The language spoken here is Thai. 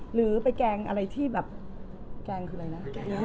หรือไปแกงอะไรที่แบบแกงคืออะไรนะ